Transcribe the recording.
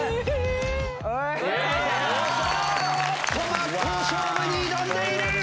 真っ向勝負に挑んでいる！